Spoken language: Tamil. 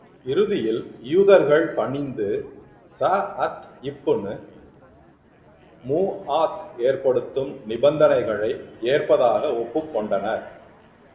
இறுதியில், யூதர்கள் பணிந்து, ஸஅத் இப்னு முஆத் ஏற்படுத்தும் நிபந்தனைகளை ஏற்பதாக ஒப்புக் கொண்டனர்.